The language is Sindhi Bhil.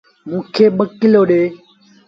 موݩ کي ٻآ ڪلو ڏي۔